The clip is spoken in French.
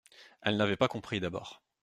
Elle n'avait pas compris d'abord.